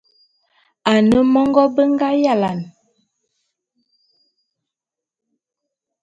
Ane mongô be nga yalane.